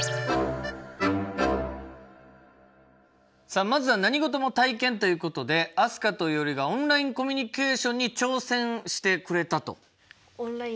さあまずは何事も体験ということで飛鳥といおりがオンラインコミュニケーションに挑戦してくれたと。